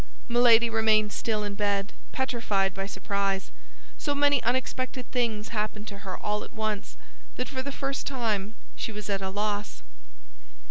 Milady remained still in bed, petrified by surprise; so many unexpected things happened to her all at once that for the first time she was at a loss.